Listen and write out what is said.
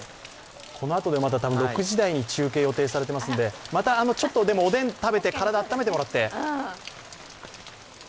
このあとで多分６時台に中継が予定されていますのでまたちょっとおでんを食べて体を温めてもらって。